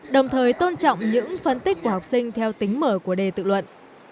đồng thời tôn trọng những phân tích của học sinh theo tính mở của đề tự luận